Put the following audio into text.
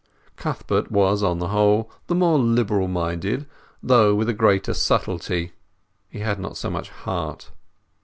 Cuthbert was, upon the whole, the more liberal minded, though, with greater subtlety, he had not so much heart.